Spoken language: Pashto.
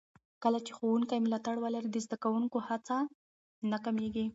کله چې ښوونکي ملاتړ ولري، د زده کوونکو هڅه نه کمېږي.